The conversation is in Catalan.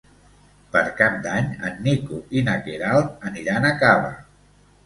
Per Cap d'Any en Nico i na Queralt aniran a Cava.